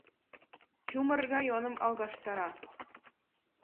Чумыр районым алгаштара...